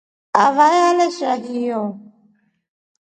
Avae alesha hiyo.